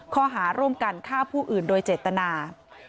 ข้อหาร่วมกันฆ่าผู้อื่นโดยเจตนา